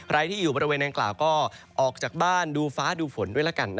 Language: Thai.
ใครที่อยู่บริเวณนางกล่าวก็ออกจากบ้านดูฟ้าดูฝนด้วยละกัน